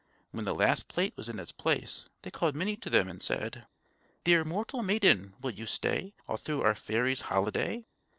When the last plate was in its place they called Minnie to them and said: "_Dear mortal maiden will you stay All through our fairy's holiday?